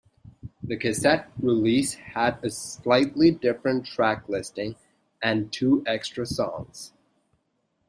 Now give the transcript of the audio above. The cassette release had a slightly different track listing and two extra songs.